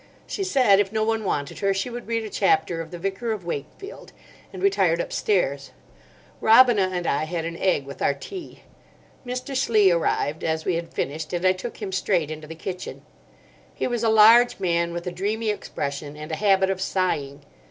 She said, if no one wanted her, she would read a chapter of "The Vicar of Wakefield," and retired upstairs. Robina and I had an egg with our tea; Mr. Slee arrived as we had finished, and I took him straight into the kitchen. He was a large man, with a dreamy expression and a habit of sighing.